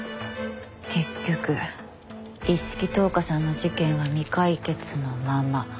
結局一色橙花さんの事件は未解決のまま。